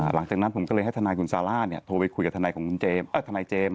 หลังจากนั้นผมก็เลยให้ทนายคุณซาร่าโทรไปคุยกับทนายเจมส์